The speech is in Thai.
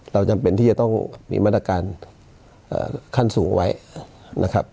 จำเป็นที่จะต้องมีมาตรการขั้นสูงไว้นะครับ